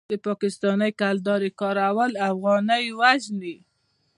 د پاکستانۍ کلدارو کارول افغانۍ وژني.